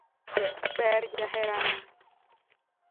Ber jaherana.